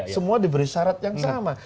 semua diberi syarat yang sama